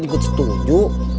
saya ikut setuju